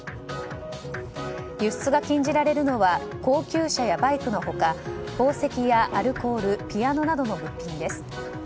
輸出が禁じられるのは高級車やバイクの他宝石やアルコールピアノなどの物品です。